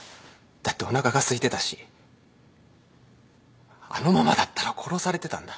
だっておなかがすいてたしあのままだったら殺されてたんだ。